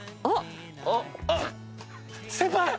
あっ！